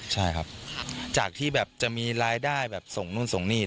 ใช่ครับจากที่แบบจะมีรายได้แบบส่งนู่นส่งนี่